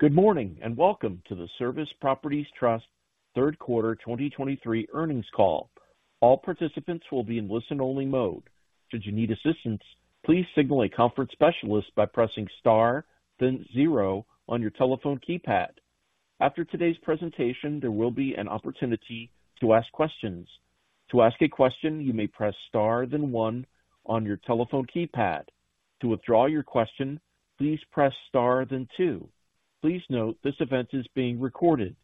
Good morning, and welcome to the Service Properties Trust third quarter 2023 earnings call. All participants will be in listen-only mode. Should you need assistance, please signal a conference specialist by pressing Star, then zero on your telephone keypad. After today's presentation, there will be an opportunity to ask questions. To ask a question, you may press Star then one on your telephone keypad. To withdraw your question, please press Star then two. Please note, this event is being recorded.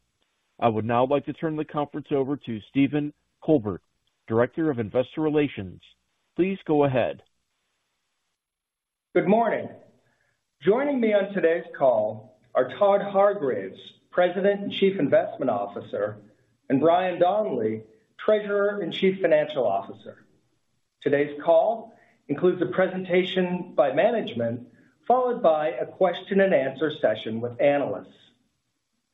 I would now like to turn the conference over to Stephen Colbert, Director of Investor Relations. Please go ahead. Good morning. Joining me on today's call are Todd Hargreaves, President and Chief Investment Officer, and Brian Donley, Treasurer and Chief Financial Officer. Today's call includes a presentation by management, followed by a question and answer session with analysts.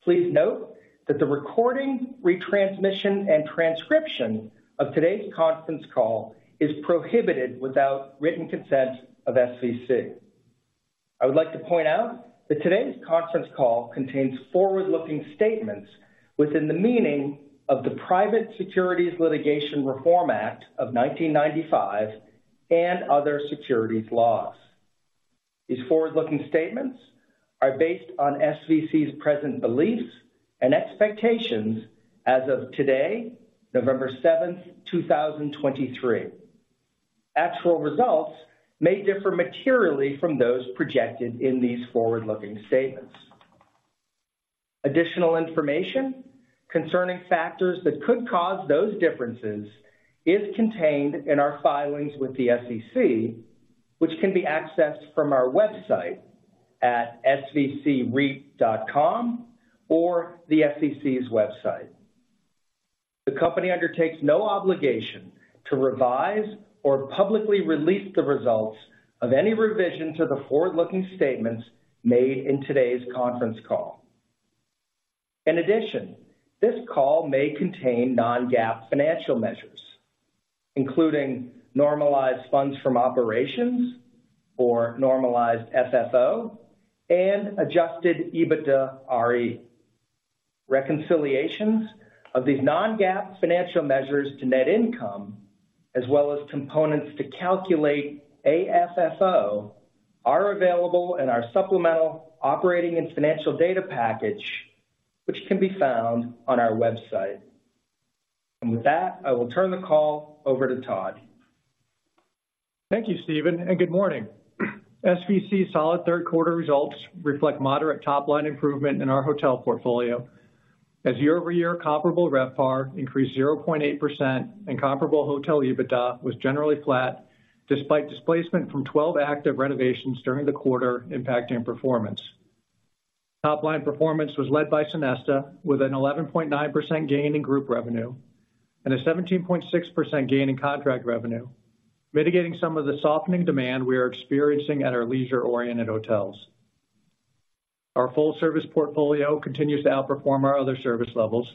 Please note that the recording, retransmission, and transcription of today's conference call is prohibited without written consent of SVC. I would like to point out that today's conference call contains forward-looking statements within the meaning of the Private Securities Litigation Reform Act of 1995 and other securities laws. These forward-looking statements are based on SVC's present beliefs and expectations as of today, November 7, 2023. Actual results may differ materially from those projected in these forward-looking statements. Additional information concerning factors that could cause those differences is contained in our filings with the SEC, which can be accessed from our website at svcreit.com or the SEC's website. The company undertakes no obligation to revise or publicly release the results of any revisions to the forward-looking statements made in today's conference call. In addition, this call may contain non-GAAP financial measures, including normalized funds from operations or normalized FFO and adjusted EBITDAre. Reconciliations of these non-GAAP financial measures to net income, as well as components to calculate AFFO, are available in our supplemental operating and financial data package, which can be found on our website. With that, I will turn the call over to Todd. Thank you, Stephen, and good morning. SVC's solid third quarter results reflect moderate top-line improvement in our hotel portfolio as year-over-year comparable RevPAR increased 0.8%, and comparable hotel EBITDA was generally flat, despite displacement from 12 active renovations during the quarter impacting performance. Top-line performance was led by Sonesta, with an 11.9% gain in group revenue and a 17.6% gain in contract revenue, mitigating some of the softening demand we are experiencing at our leisure-oriented hotels. Our full-service portfolio continues to outperform our other service levels,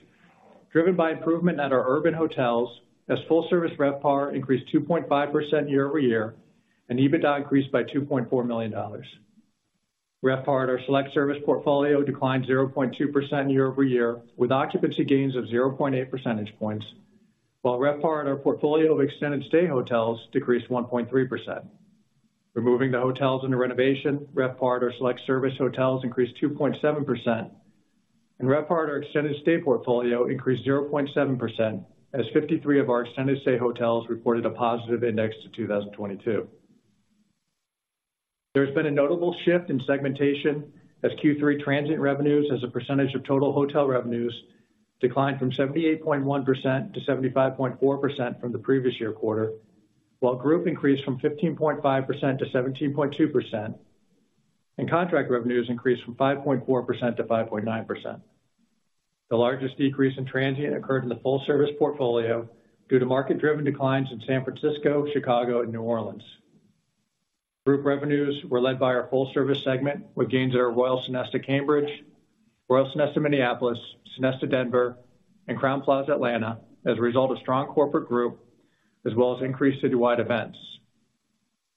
driven by improvement at our urban hotels as full-service RevPAR increased 2.5% year-over-year, and EBITDA increased by $2.4 million. RevPAR at our select service portfolio declined 0.2% year-over-year, with occupancy gains of 0.8 percentage points, while RevPAR at our portfolio of extended stay hotels decreased 1.3%. Removing the hotels into renovation, RevPAR at our select service hotels increased 2.7%, and RevPAR at our extended stay portfolio increased 0.7%, as 53 of our extended stay hotels reported a positive index to 2022. There has been a notable shift in segmentation as Q3 transient revenues as a percentage of total hotel revenues declined from 78.1% to 75.4% from the previous year quarter, while group increased from 15.5% to 17.2%, and contract revenues increased from 5.4% to 5.9%. The largest decrease in transient occurred in the full-service portfolio due to market-driven declines in San Francisco, Chicago, and New Orleans. Group revenues were led by our full-service segment, with gains at our Royal Sonesta Cambridge, Royal Sonesta Minneapolis, Sonesta Denver, and Crowne Plaza, Atlanta, as a result of strong corporate group as well as increased citywide events.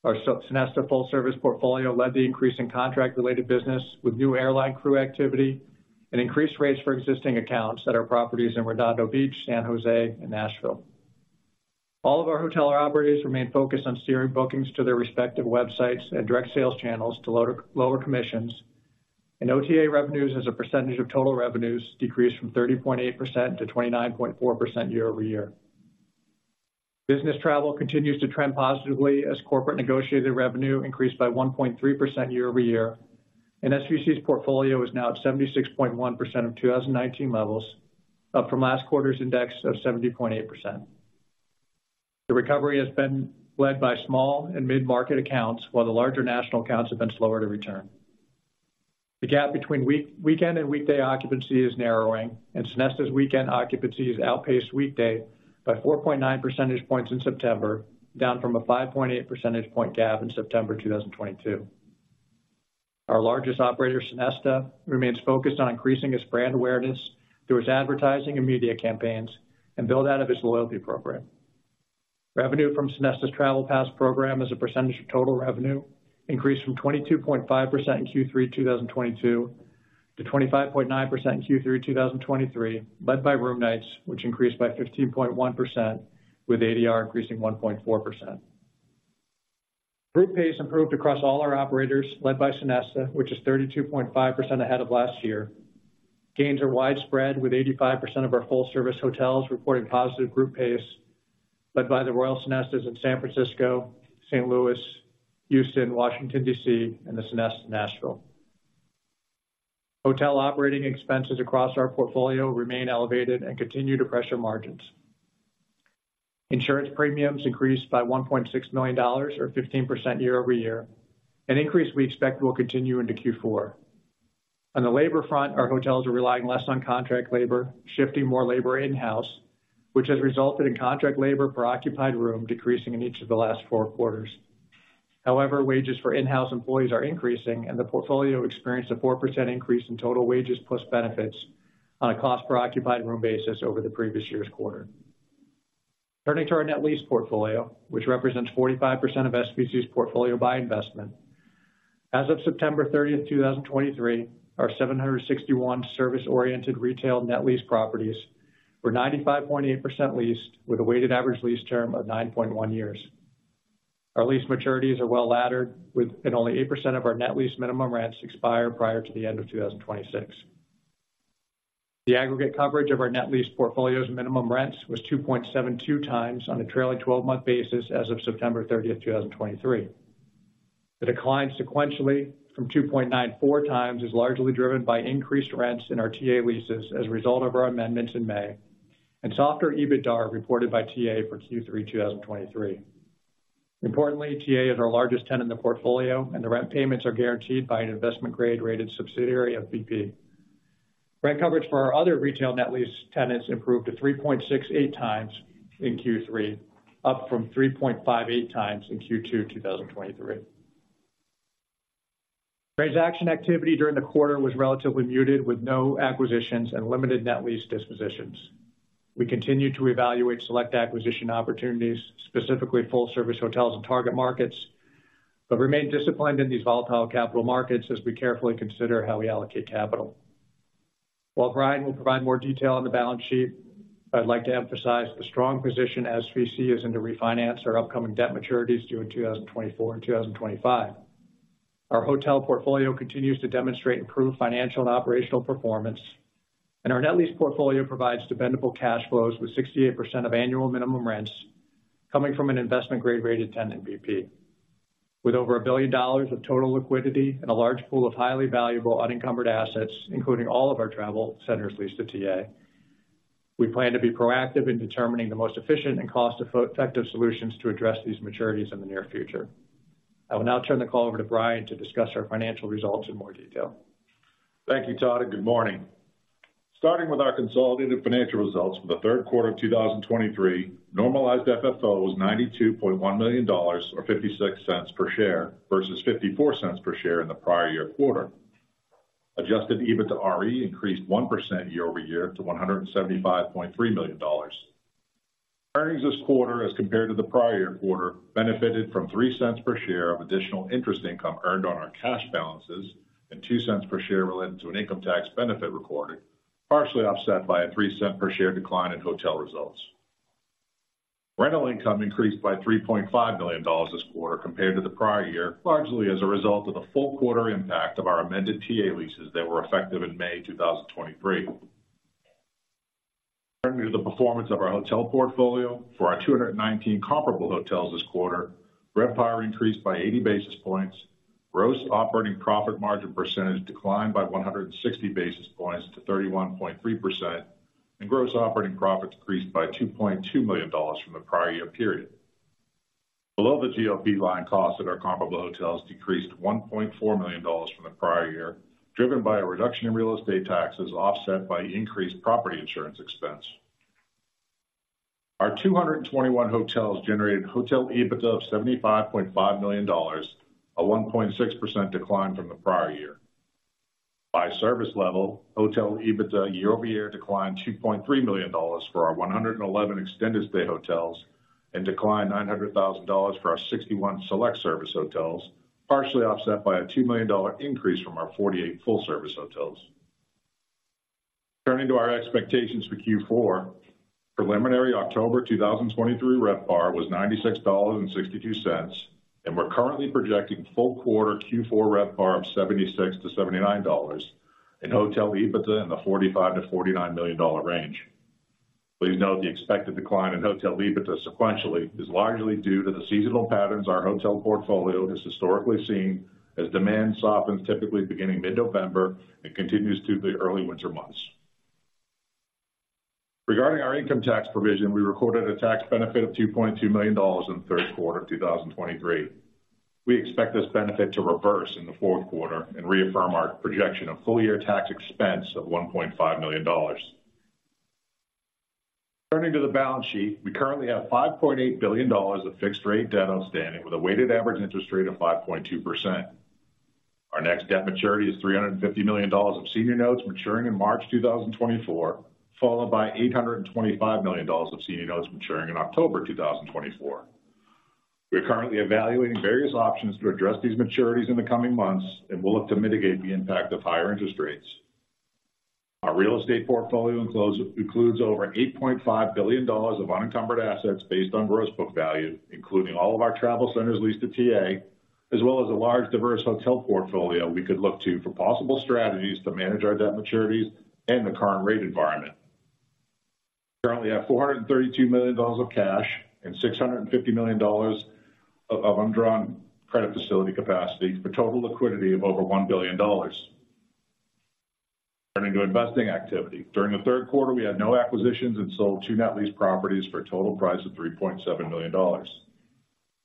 Our Sonesta full-service portfolio led the increase in contract-related business with new airline crew activity and increased rates for existing accounts at our properties in Redondo Beach, San Jose, and Nashville. All of our hotel operators remain focused on steering bookings to their respective websites and direct sales channels to lower, lower commissions, and OTA revenues as a percentage of total revenues decreased from 30.8% to 29.4% year-over-year. Business travel continues to trend positively as corporate negotiated revenue increased by 1.3% year-over-year, and SVC's portfolio is now at 76.1% of 2019 levels, up from last quarter's index of 70.8%. The recovery has been led by small and mid-market accounts, while the larger national accounts have been slower to return. The gap between weekend and weekday occupancy is narrowing, and Sonesta's weekend occupancy has outpaced weekday by 4.9 percentage points in September, down from a 5.8 percentage point gap in September 2022. Our largest operator, Sonesta, remains focused on increasing its brand awareness through its advertising and media campaigns and build out of its loyalty program.... Revenue from Sonesta Travel Pass program as a percentage of total revenue, increased from 22.5% in Q3 2022, to 25.9% in Q3 2023, led by room nights, which increased by 15.1%, with ADR increasing 1.4%. Group pace improved across all our operators, led by Sonesta, which is 32.5% ahead of last year. Gains are widespread, with 85% of our full-service hotels reporting positive group pace, led by the Royal Sonestas in San Francisco, St. Louis, Houston, Washington, D.C., and the Sonesta Nashville. Hotel operating expenses across our portfolio remain elevated and continue to pressure margins. Insurance premiums increased by $1.6 million, or 15% year-over-year, an increase we expect will continue into Q4. On the labor front, our hotels are relying less on contract labor, shifting more labor in-house, which has resulted in contract labor per occupied room decreasing in each of the last 4 quarters. However, wages for in-house employees are increasing, and the portfolio experienced a 4% increase in total wages plus benefits on a cost per occupied room basis over the previous year's quarter. Turning to our net lease portfolio, which represents 45% of SVC's portfolio by investment. As of September 30, 2023, our 761 service-oriented retail net lease properties were 95.8% leased, with a weighted average lease term of 9.1 years. Our lease maturities are well laddered, and only 8% of our net lease minimum rents expire prior to the end of 2026. The aggregate coverage of our net lease portfolio's minimum rents was 2.72x on a trailing 12-month basis as of September 30, 2023. The decline sequentially from 2.94x is largely driven by increased rents in our TA leases as a result of our amendments in May, and softer EBITDAR reported by TA for Q3 2023. Importantly, TA is our largest tenant in the portfolio, and the rent payments are guaranteed by an investment grade-rated subsidiary of BP. Rent coverage for our other retail net lease tenants improved to 3.68x in Q3, up from 3.58x in Q2 2023. Transaction activity during the quarter was relatively muted, with no acquisitions and limited net lease dispositions. We continue to evaluate select acquisition opportunities, specifically full-service hotels and target markets, but remain disciplined in these volatile capital markets as we carefully consider how we allocate capital. While Brian will provide more detail on the balance sheet, I'd like to emphasize the strong position SVC is in to refinance our upcoming debt maturities due in 2024 and 2025. Our hotel portfolio continues to demonstrate improved financial and operational performance, and our net lease portfolio provides dependable cash flows, with 68% of annual minimum rents coming from an investment grade rated tenant, BP. With over $1 billion of total liquidity and a large pool of highly valuable unencumbered assets, including all of our travel centers leased to TA, we plan to be proactive in determining the most efficient and cost-effective solutions to address these maturities in the near future. I will now turn the call over to Brian to discuss our financial results in more detail. Thank you, Todd, and good morning. Starting with our consolidated financial results for the third quarter of 2023, Normalized FFO was $92.1 million, or $0.56 per share, versus $0.54 per share in the prior year quarter. Adjusted EBITDAR increased 1% year-over-year to $175.3 million. Earnings this quarter as compared to the prior year quarter, benefited from $0.03 per share of additional interest income earned on our cash balances and $0.02 per share related to an income tax benefit recorded, partially offset by a $0.03 per share decline in hotel results. Rental income increased by $3.5 million this quarter compared to the prior year, largely as a result of the full quarter impact of our amended TA leases that were effective in May 2023. Turning to the performance of our hotel portfolio. For our 219 comparable hotels this quarter, RevPAR increased by 80 basis points, gross operating profit margin percentage declined by 160 basis points to 31.3%, and gross operating profit decreased by $2.2 million from the prior year period. Below the GOP line, costs at our comparable hotels decreased $1.4 million from the prior year, driven by a reduction in real estate taxes, offset by increased property insurance expense. Our 221 hotels generated hotel EBITDA of $75.5 million, a 1.6% decline from the prior year. By service level, hotel EBITDA year-over-year declined $2.3 million for our 111 extended stay hotels and declined $900,000 for our 61 select service hotels, partially offset by a $2 million increase from our 48 full-service hotels. Turning to our expectations for Q4, preliminary October 2023 RevPAR was $96.62, and we're currently projecting full quarter Q4 RevPAR of $76-$79, and hotel EBITDA in the $45 million-$49 million range. Please note, the expected decline in hotel EBITDA sequentially is largely due to the seasonal patterns our hotel portfolio has historically seen, as demand softens, typically beginning mid-November and continues through the early winter months. Regarding our income tax provision, we recorded a tax benefit of $2.2 million in the third quarter of 2023. We expect this benefit to reverse in the fourth quarter and reaffirm our projection of full-year tax expense of $1.5 million. Turning to the balance sheet, we currently have $5.8 billion of fixed rate debt outstanding, with a weighted average interest rate of 5.2%.... Our next debt maturity is $350 million of senior notes maturing in March 2024, followed by $825 million of senior notes maturing in October 2024. We are currently evaluating various options to address these maturities in the coming months, and we'll look to mitigate the impact of higher interest rates. Our real estate portfolio includes over $8.5 billion of unencumbered assets based on gross book value, including all of our travel centers leased to TA, as well as a large, diverse hotel portfolio we could look to for possible strategies to manage our debt maturities and the current rate environment. Currently at $432 million of cash and $650 million of undrawn credit facility capacity, for total liquidity of over $1 billion. Turning to investing activity. During the third quarter, we had no acquisitions and sold two net lease properties for a total price of $3.7 million.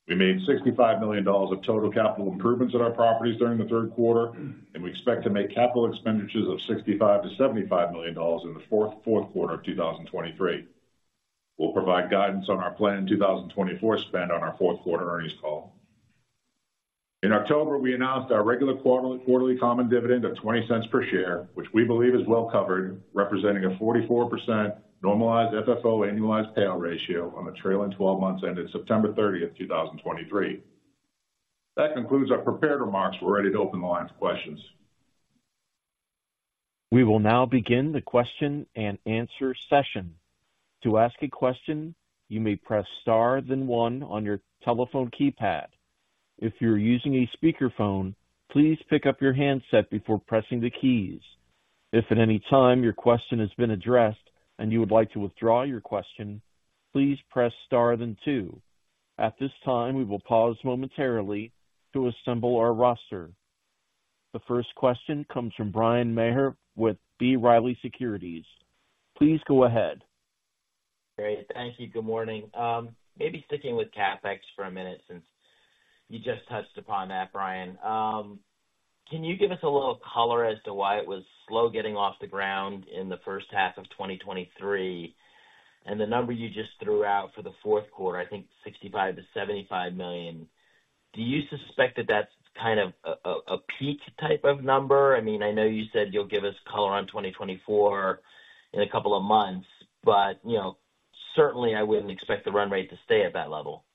We made $65 million of total capital improvements at our properties during the third quarter, and we expect to make capital expenditures of $65 million-$75 million in the fourth quarter of 2023. We'll provide guidance on our planned 2024 spend on our fourth quarter earnings call. In October, we announced our regular quarterly common dividend of $0.20 per share, which we believe is well covered, representing a 44% normalized FFO annualized payout ratio on the trailing 12 months ended September 30, 2023. That concludes our prepared remarks. We're ready to open the line for questions. We will now begin the question and answer session. To ask a question, you may press star then one on your telephone keypad. If you're using a speakerphone, please pick up your handset before pressing the keys. If at any time your question has been addressed and you would like to withdraw your question, please press star then two. At this time, we will pause momentarily to assemble our roster. The first question comes from Bryan Maher with B. Riley Securities. Please go ahead. Great. Thank you. Good morning. Maybe sticking with CapEx for a minute, since you just touched upon that, Brian. Can you give us a little color as to why it was slow getting off the ground in the first half of 2023, and the number you just threw out for the fourth quarter, I think $65 million-$75 million, do you suspect that that's kind of a peak type of number? I mean, I know you said you'll give us color on 2024 in a couple of months, but, you know, certainly I wouldn't expect the run rate to stay at that level.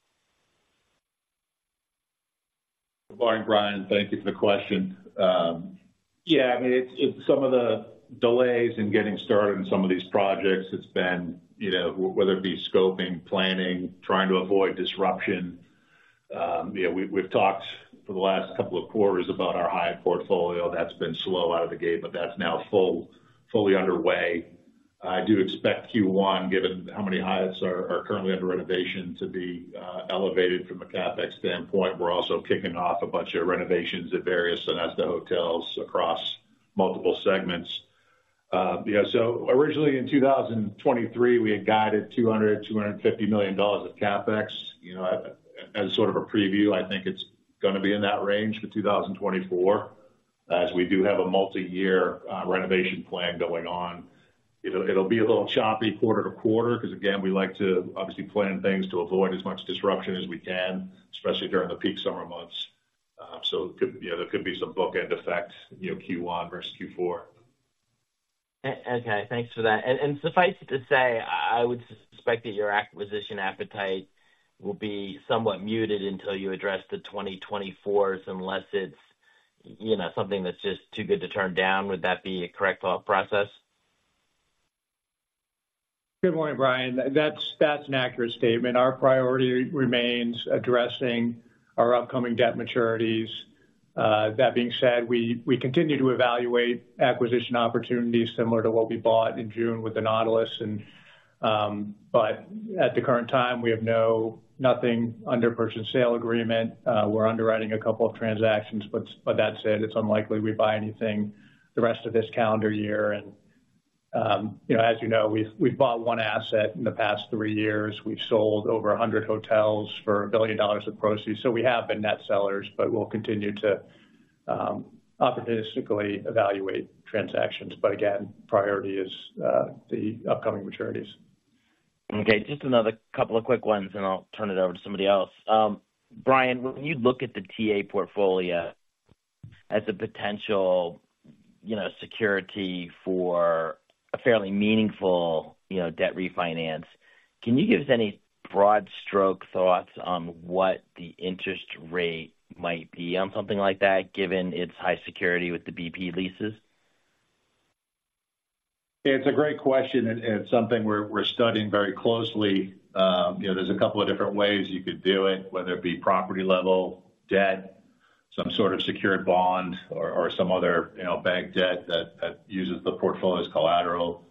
Good morning, Brian. Thank you for the question. Yeah, I mean, it's, it's some of the delays in getting started on some of these projects. It's been, you know, whether it be scoping, planning, trying to avoid disruption. You know, we've, we've talked for the last couple of quarters about our Hyatt portfolio that's been slow out of the gate, but that's now fully underway. I do expect Q1, given how many Hyatts are, are currently under renovation, to be elevated from a CapEx standpoint. We're also kicking off a bunch of renovations at various Sonesta hotels across multiple segments. Yeah, so originally in 2023, we had guided $200-$250 million of CapEx. You know, as, as sort of a preview, I think it's gonna be in that range for 2024, as we do have a multiyear renovation plan going on. It'll, it'll be a little choppy quarter-to-quarter, because, again, we like to obviously plan things to avoid as much disruption as we can, especially during the peak summer months. So there could be some bookend effect, you know, Q1 versus Q4. Okay, thanks for that. Suffice to say, I would suspect that your acquisition appetite will be somewhat muted until you address the 2024s, unless it's, you know, something that's just too good to turn down. Would that be a correct thought process? Good morning, Brian. That's, that's an accurate statement. Our priority remains addressing our upcoming debt maturities. That being said, we continue to evaluate acquisition opportunities similar to what we bought in June with the Nautilus. But at the current time, we have nothing under purchase sale agreement. We're underwriting a couple of transactions, but that said, it's unlikely we buy anything the rest of this calendar year. And, you know, as you know, we've bought one asset in the past three years. We've sold over 100 hotels for $1 billion of proceeds, so we have been net sellers, but we'll continue to opportunistically evaluate transactions. But again, priority is the upcoming maturities. Okay, just another couple of quick ones, and I'll turn it over to somebody else. Brian, when you look at the TA portfolio as a potential, you know, security for a fairly meaningful, you know, debt refinance, can you give us any broad stroke thoughts on what the interest rate might be on something like that, given its high security with the BP leases? It's a great question, and it's something we're studying very closely. You know, there's a couple of different ways you could do it, whether it be property level debt, some sort of secured bond or some other, you know, bank debt that uses the portfolio as collateral.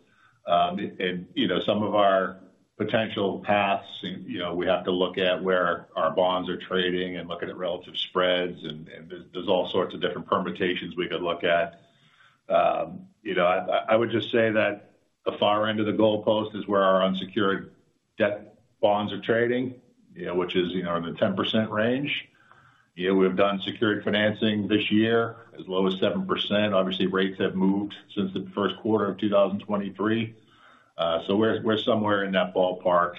You know, some of our potential paths, you know, we have to look at where our bonds are trading and looking at relative spreads, and there's all sorts of different permutations we could look at. You know, I would just say that the far end of the goalpost is where our unsecured debt bonds are trading, you know, which is, you know, in the 10% range. You know, we've done secured financing this year as low as 7%. Obviously, rates have moved since the first quarter of 2023. So we're somewhere in that ballpark,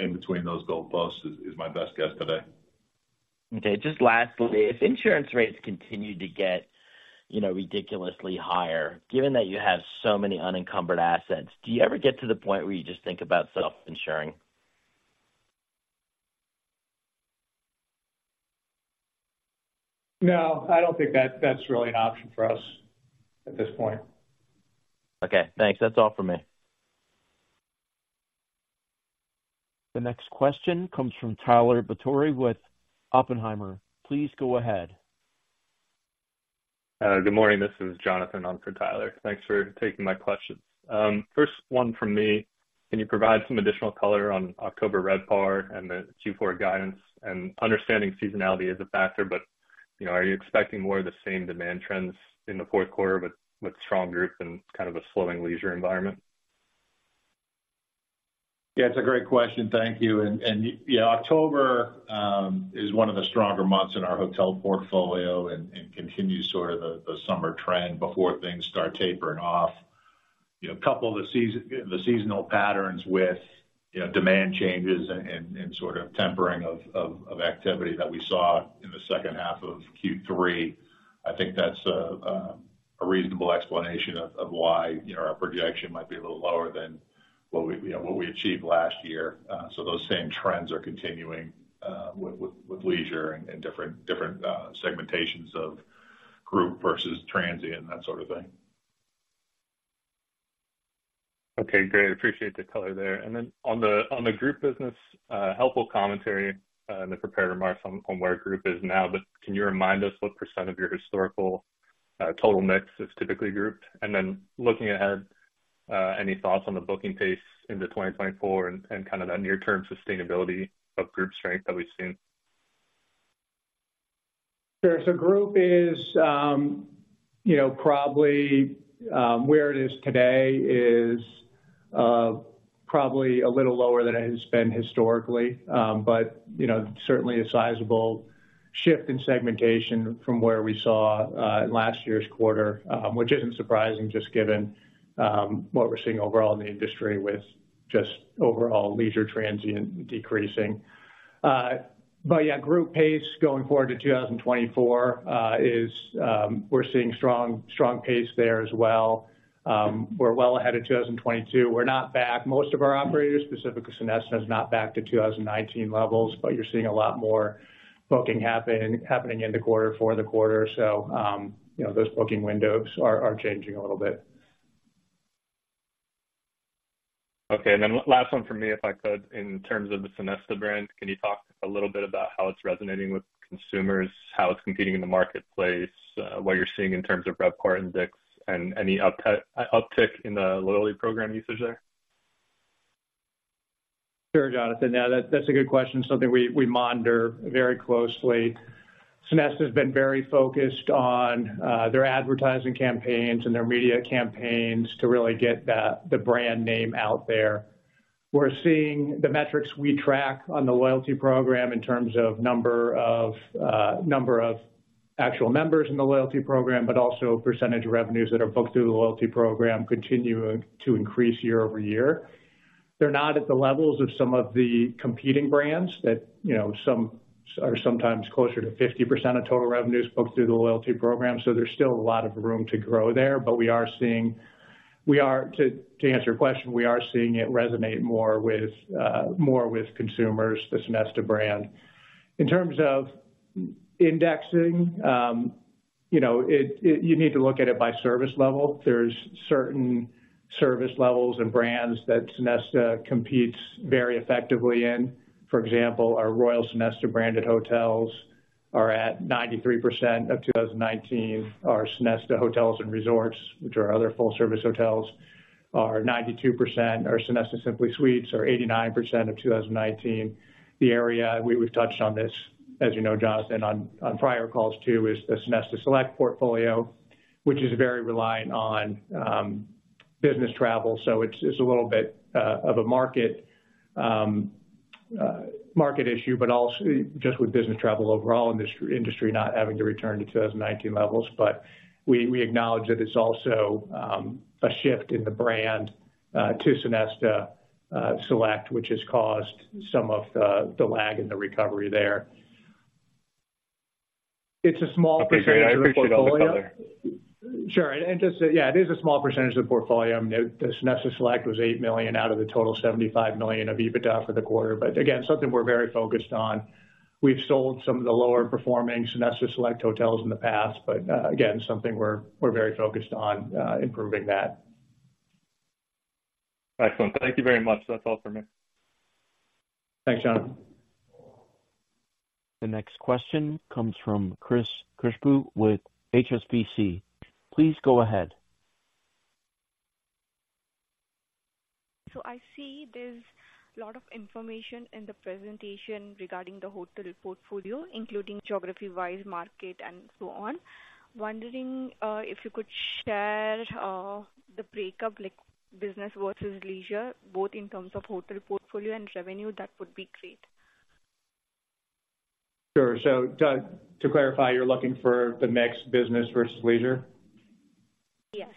in between those goalposts is my best guess today. Okay. Just lastly, if insurance rates continue to get, you know, ridiculously higher, given that you have so many unencumbered assets, do you ever get to the point where you just think about self-insuring? No, I don't think that's really an option for us at this point. Okay, thanks. That's all for me. The next question comes from Tyler Batory with Oppenheimer. Please go ahead. Good morning. This is Jonathan on for Tyler. Thanks for taking my questions. First one from me, can you provide some additional color on October RevPAR and the Q4 guidance? Understanding seasonality is a factor, but, you know, are you expecting more of the same demand trends in the fourth quarter, but with stronger and kind of a slowing leisure environment? Yeah, it's a great question. Thank you. And yeah, October is one of the stronger months in our hotel portfolio and continues sort of the summer trend before things start tapering off. You know, couple the seasonal patterns with, you know, demand changes and sort of tempering of activity that we saw in the second half of Q3. I think that's a reasonable explanation of why, you know, our projection might be a little lower than what we, you know, what we achieved last year. So those same trends are continuing with leisure and different segmentations of group versus transient, that sort of thing. Okay, great. Appreciate the color there. And then on the group business, helpful commentary in the prepared remarks on where group is now. But can you remind us what percent of your historical total mix is typically grouped? And then looking ahead, any thoughts on the booking pace into 2024 and kind of that near-term sustainability of group strength that we've seen? Sure. So group is, you know, probably, where it is today is, probably a little lower than it has been historically. But, you know, certainly a sizable shift in segmentation from where we saw, in last year's quarter, which isn't surprising, just given, what we're seeing overall in the industry with just overall leisure transient decreasing. But yeah, group pace going forward to 2024, is, we're seeing strong, strong pace there as well. We're well ahead of 2022. We're not back. Most of our operators, specifically Sonesta, is not back to 2019 levels, but you're seeing a lot more booking happening in the quarter for the quarter. So, you know, those booking windows are changing a little bit. Okay. And then last one for me, if I could. In terms of the Sonesta brand, can you talk a little bit about how it's resonating with consumers, how it's competing in the marketplace, what you're seeing in terms of RevPAR index and any uptick in the loyalty program usage there? Sure, Jonathan. Yeah, that's a good question, something we monitor very closely. Sonesta has been very focused on their advertising campaigns and their media campaigns to really get the brand name out there. We're seeing the metrics we track on the loyalty program in terms of number of actual members in the loyalty program, but also percentage of revenues that are booked through the loyalty program continue to increase year-over-year. They're not at the levels of some of the competing brands that, you know, are sometimes closer to 50% of total revenues booked through the loyalty program, so there's still a lot of room to grow there. But we are seeing. We are. To answer your question, we are seeing it resonate more with consumers, the Sonesta brand. In terms of indexing, you know, you need to look at it by service level. There's certain service levels and brands that Sonesta competes very effectively in. For example, our Royal Sonesta branded hotels are at 93% of 2019. Our Sonesta Hotels and Resorts, which are our other full-service hotels, are 92%. Our Sonesta Simply Suites are 89% of 2019. The area we've touched on this, as you know, Jonathan, on prior calls, too, is the Sonesta Select portfolio, which is very reliant on business travel. So it's a little bit of a market issue, but also just with business travel overall industry not having to return to 2019 levels. But we acknowledge that it's also a shift in the brand to Sonesta Select, which has caused some of the lag in the recovery there. It's a small percentage of the portfolio. Okay, great. I appreciate all the color. Sure. And just, yeah, it is a small percentage of the portfolio. The Sonesta Select was $8 million out of the total $75 million of EBITDA for the quarter. But again, something we're very focused on. We've sold some of the lower-performing Sonesta Select hotels in the past, but again, something we're very focused on improving that. Excellent. Thank you very much. That's all for me. Thanks, Jonathan. The next question comes from Chris Krishnu with HSBC. Please go ahead. I see there's a lot of information in the presentation regarding the hotel portfolio, including geography-wise, market and so on. Wondering if you could share the breakdown, like business versus leisure, both in terms of hotel portfolio and revenue, that would be great. ... Sure. So, to, to clarify, you're looking for the mix business versus leisure? Yes.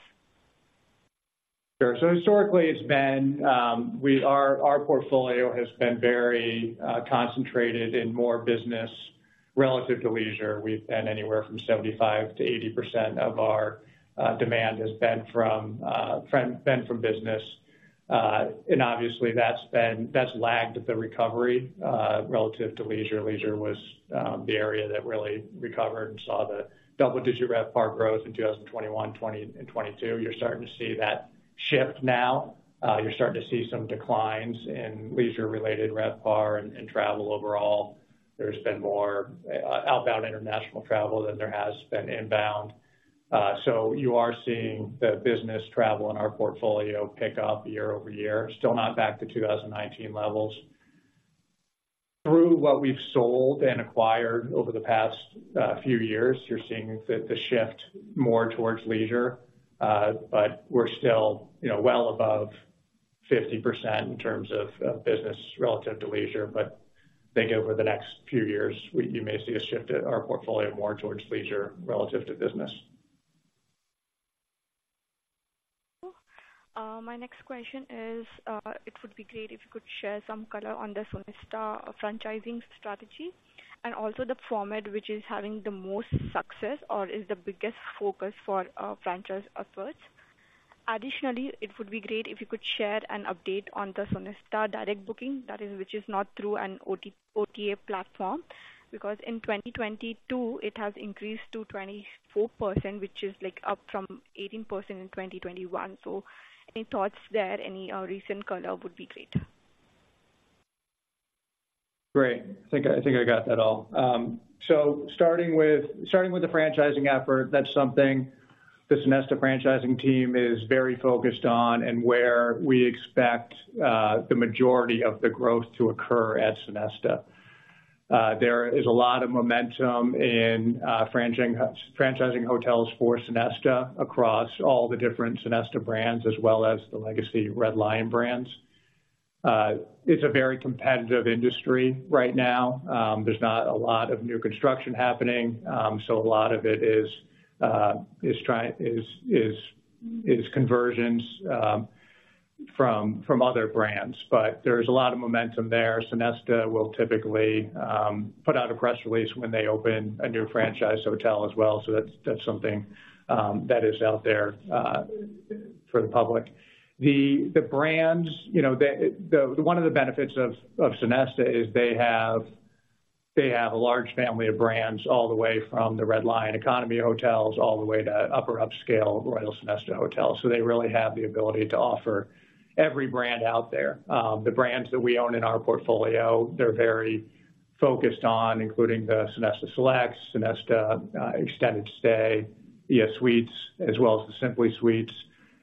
Sure. So historically, it's been, our portfolio has been very concentrated in more business relative to leisure. We've been anywhere from 75%-80% of our demand has been from business. And obviously, that's been, that's lagged the recovery relative to leisure. Leisure was the area that really recovered and saw the double-digit RevPAR growth in 2021, 2020 and 2022. You're starting to see that shift now. You're starting to see some declines in leisure-related RevPAR and travel overall. There's been more outbound international travel than there has been inbound. So you are seeing the business travel in our portfolio pick up year-over-year, still not back to 2019 levels. Through what we've sold and acquired over the past, few years, you're seeing the the shift more towards leisure. But we're still, you know, well above 50% in terms of, business relative to leisure. But I think over the next few years, you may see a shift in our portfolio more towards leisure relative to business. My next question is, it would be great if you could share some color on the Sonesta franchising strategy and also the format which is having the most success or is the biggest focus for franchise efforts. Additionally, it would be great if you could share an update on the Sonesta direct booking, that is, which is not through an OTA platform, because in 2022, it has increased to 24%, which is, like, up from 18% in 2021. So any thoughts there, any recent color would be great. Great. I think I got that all. So starting with the franchising effort, that's something the Sonesta franchising team is very focused on and where we expect the majority of the growth to occur at Sonesta. There is a lot of momentum in franchising hotels for Sonesta across all the different Sonesta brands, as well as the legacy Red Lion brands. It's a very competitive industry right now. There's not a lot of new construction happening, so a lot of it is conversions from other brands, but there's a lot of momentum there. Sonesta will typically put out a press release when they open a new franchise hotel as well. So that's something that is out there for the public. The brands, you know, the one of the benefits of Sonesta is they have a large family of brands all the way from the Red Lion economy hotels, all the way to upper upscale Royal Sonesta hotels. So they really have the ability to offer every brand out there. The brands that we own in our portfolio, they're very focused on, including the Sonesta Select, Sonesta Extended Stay, ES Suites, as well as the Simply Suites.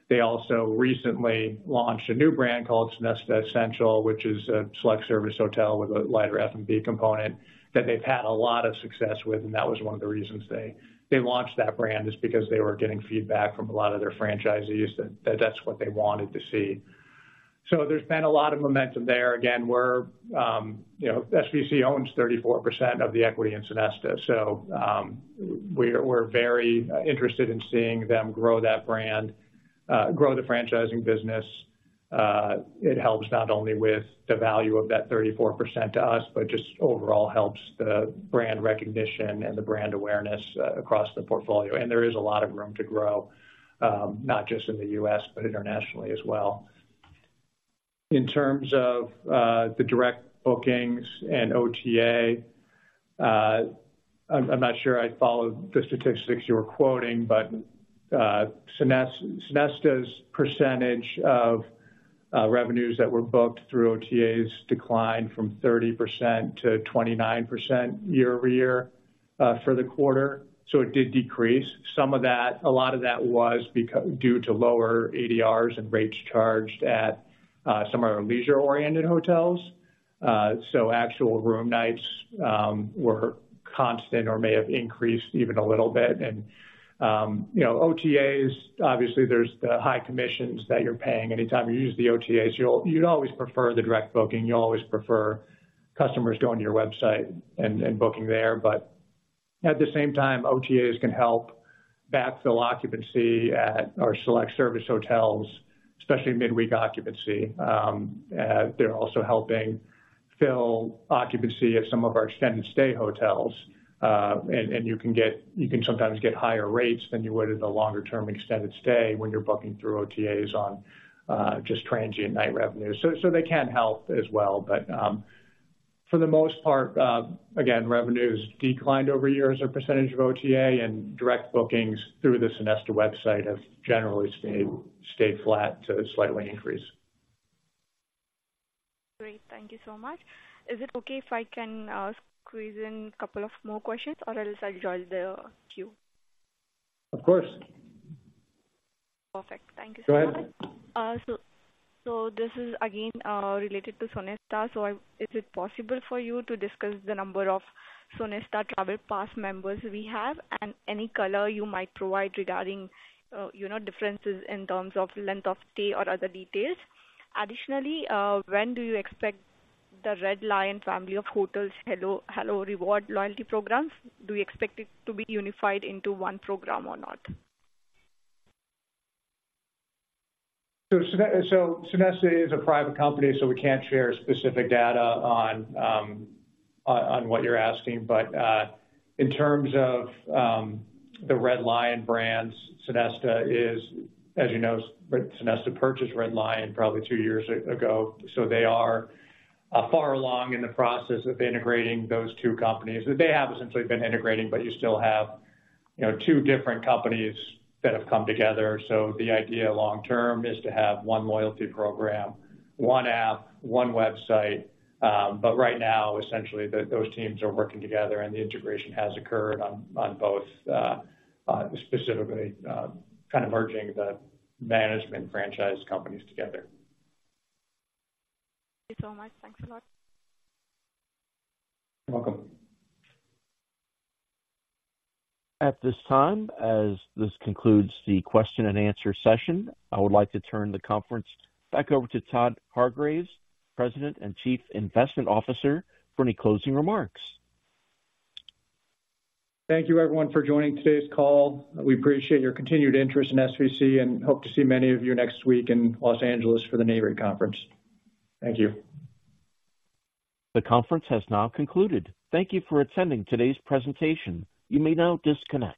They also recently launched a new brand called Sonesta Essential, which is a select service hotel with a lighter F&B component that they've had a lot of success with, and that was one of the reasons they launched that brand, is because they were getting feedback from a lot of their franchisees that, that's what they wanted to see. So there's been a lot of momentum there. Again, we're, you know, SVC owns 34% of the equity in Sonesta, so, we're very interested in seeing them grow that brand, grow the franchising business. It helps not only with the value of that 34% to us, but just overall helps the brand recognition and the brand awareness across the portfolio. And there is a lot of room to grow, not just in the U.S., but internationally as well. In terms of the direct bookings and OTA, I'm not sure I followed the statistics you were quoting, but Sonesta's percentage of revenues that were booked through OTAs declined from 30%-29% year-over-year for the quarter, so it did decrease. Some of that, a lot of that was due to lower ADRs and rates charged at some of our leisure-oriented hotels. So actual room nights were constant or may have increased even a little bit. And you know, OTAs, obviously, there's the high commissions that you're paying anytime you use the OTAs. You'd always prefer the direct booking. You always prefer customers going to your website and booking there. But at the same time, OTAs can help backfill occupancy at our select service hotels, especially midweek occupancy. They're also helping fill occupancy at some of our extended stay hotels. And you can sometimes get higher rates than you would in a longer-term extended stay when you're booking through OTAs on just transient night revenues. So they can help as well, but for the most part, again, revenues declined over years as a percentage of OTA, and direct bookings through the Sonesta website have generally stayed flat to slightly increase. Great. Thank you so much. Is it okay if I can squeeze in a couple of more questions, or else I'll join the queue? Of course. Perfect. Thank you so much. Go ahead. So, this is again related to Sonesta. Is it possible for you to discuss the number of Sonesta Travel Pass members we have and any color you might provide regarding, you know, differences in terms of length of stay or other details? Additionally, when do you expect the Red Lion family of hotels Hello Rewards loyalty programs, do you expect it to be unified into one program or not? So Sonesta is a private company, so we can't share specific data on what you're asking. But in terms of the Red Lion brands, Sonesta is... As you know, Sonesta purchased Red Lion probably two years ago, so they are far along in the process of integrating those two companies. They have essentially been integrating, but you still have, you know, two different companies that have come together. So the idea long term is to have one loyalty program, one app, one website, but right now, essentially, those teams are working together, and the integration has occurred on both, specifically, kind of merging the management franchise companies together. Thanks so much. Thanks a lot. You're welcome. At this time, as this concludes the question and answer session, I would like to turn the conference back over to Todd Hargreaves, President and Chief Investment Officer, for any closing remarks. Thank you, everyone, for joining today's call. We appreciate your continued interest in SVC and hope to see many of you next week in Los Angeles for the NAREIT conference. Thank you. The conference has now concluded. Thank you for attending today's presentation. You may now disconnect.